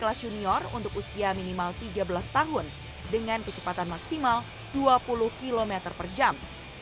kelas junior untuk usia minimal tiga belas tahun dengan kecepatan maksimal dua puluh km per jam